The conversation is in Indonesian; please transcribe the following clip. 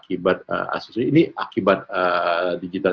ini akibat digital